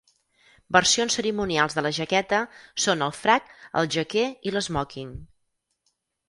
Versions cerimonials de la jaqueta són el frac, el jaqué i l'esmòquing.